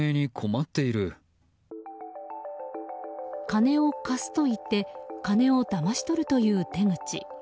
金を貸すと言って金をだまし取るという手口。